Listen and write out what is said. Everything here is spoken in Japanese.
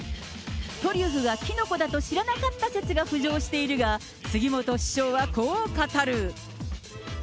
トリュフがキノコだと知らなかった説が浮上しているが、杉本師匠はこう語る。